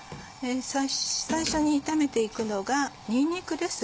最初に炒めていくのがにんにくです。